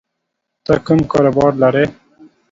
ته کوم کاروبار لری